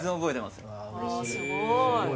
すごい。